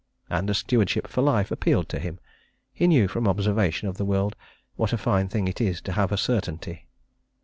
And a stewardship for life appealed to him. He knew, from observation of the world, what a fine thing it is to have a certainty.